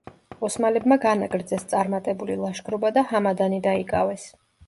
ოსმალებმა განაგრძეს წარმატებული ლაშქრობა და ჰამადანი დაიკავეს.